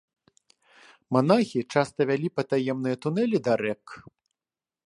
Манахі часта вялі патаемныя тунэлі да рэк.